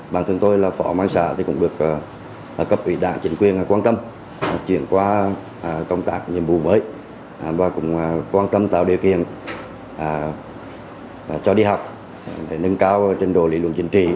bản thân tôi là phó an xã thì cũng được cấp ủy đảng chính quyền quan tâm chuyển qua công tác nhiệm vụ mới và cũng quan tâm tạo điều kiện cho đi học để nâng cao trình độ lý luận chính trị